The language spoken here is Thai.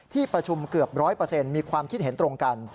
ที่ประชุมเกือบ๑๐๐มีความคิดเห็นตรงกัน